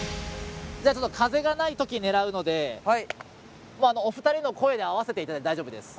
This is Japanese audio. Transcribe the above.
風がない時狙うのでお二人の声で合わせていただいて大丈夫です。